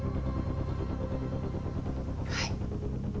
はい。